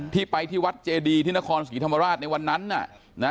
ที่ไปที่วัดเจดีที่นครศรีธรรมราชในวันนั้นน่ะนะ